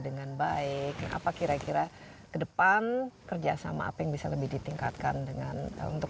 dengan baik apa kira kira kedepan kerjasama apa yang bisa lebih ditingkatkan dengan untuk